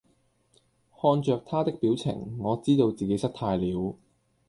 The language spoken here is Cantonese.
看著他的表情，我知道自己失態了！